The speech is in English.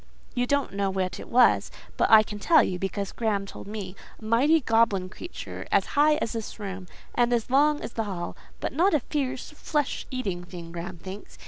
You don't know what it was; but I can tell you, because Graham told me. A mighty, goblin creature, as high as this room, and as long as the hall; but not a fierce, flesh eating thing, Graham thinks.